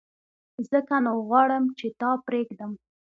ځکه نو غواړم چي تا پرېږدم !